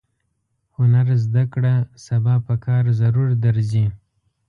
هنر زده کړه سبا پکار ضرور درځي.